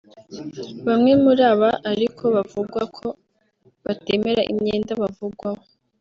Bamwe muri aba ariko bivugwa ko batemera imyenda bavugwaho